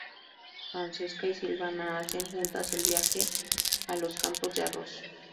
Francesca y Silvana hacen juntas el viaje a los campos de arroz.